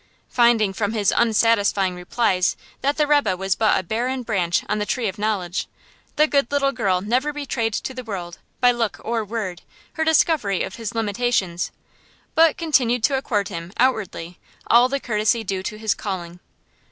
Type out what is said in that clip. Finding from his unsatisfying replies that the rebbe was but a barren branch on the tree of knowledge, the good little girl never betrayed to the world, by look or word, her discovery of his limitations, but continued to accord him, outwardly, all the courtesy due to his calling.